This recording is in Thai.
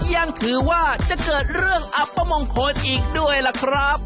ยังถือว่าจะเกิดเรื่องอับประมงคลอีกด้วยล่ะครับ